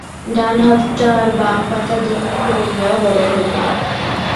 ডান হাতটা আর বাম পাটা দুম করে ইয়া বড় হয়ে গেলো।